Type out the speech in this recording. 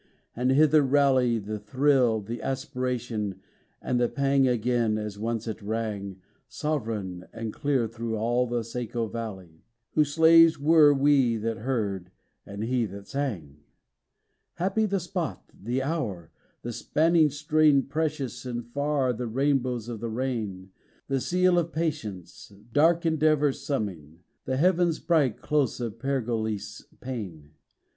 and hither rally The thrill, the aspiration, and the pang Again, as once it rang Sovereign and clear thro' all the Saco valley, Whose slaves were we that heard, and he that sang! Happy the spot, the hour, the spanning strain Precious and far, the rainbow of the rain, The seal of patience, dark endeavor's summing, The heaven bright close of Pergolese's pain!